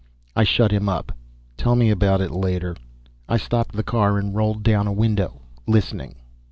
I shut him up. "Tell me about it later!" I stopped the car and rolled down a window, listening.